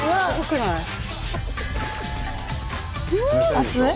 熱い？